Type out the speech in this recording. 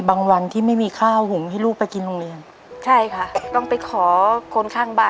ก็เลยเสียโอกาสไปเลยสิครับ